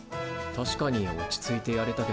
確かに落ち着いてやれたけど。